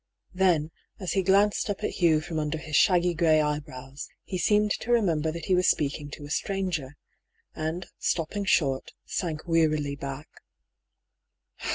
Then, as he glanced up at Hugh from under his shaggy grey eyebrows, he seemed to remember that he was speaking to a stranger, and stopping short, sank wearily back.